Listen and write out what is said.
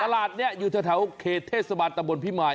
ตลาดนี้อยู่ทะเถาเภรษภาปนตราบนพี่ม่าย